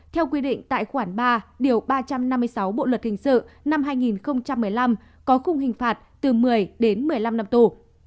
theo quy định tại khoản ba điều ba trăm năm mươi sáu bộ luật hình sự năm hai nghìn một mươi năm có khung hình phạt từ một mươi đến một mươi năm năm tù